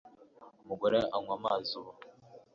Umugore anywa amazi ubu